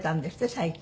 最近。